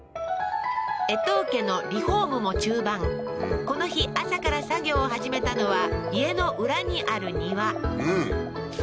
えとう家のリフォームも中盤この日朝から作業を始めたのは家の裏にある庭うん